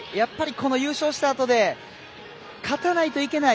優勝した中で勝たないといけない。